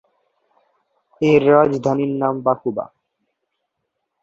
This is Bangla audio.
এর রাজধানীর নাম বাকুবা।